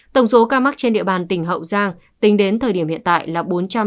tổng số ca mắc trên địa bàn tỉnh hậu giang tính đến thời điểm hiện tại là bốn trăm chín mươi một